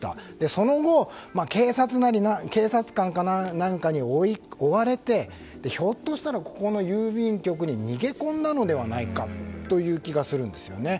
その後、警察官か何かに追われてひょっとしたら、ここの郵便局に逃げ込んだのではないかという気がするんですよね。